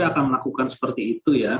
akan melakukan seperti itu ya